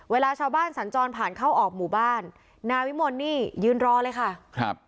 เวลาชาวบ้านสัญจรผ่านเข้าออกหมู่บ้านนาวิมลนี่ยืนรอเลยค่ะครับ